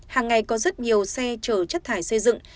hàng ngày có rất nhiều xe chở chất thải xây dựng